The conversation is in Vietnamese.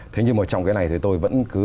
thế nhưng mà trong cái này thì tôi vẫn cứ